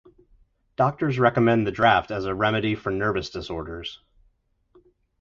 Doctors recommend the draught as a remedy for nervous disorders.